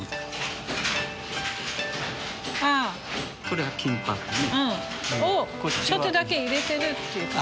これは金箔ね。をちょっとだけ入れてるっていうか。